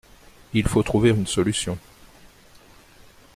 Il faut trouver une solution.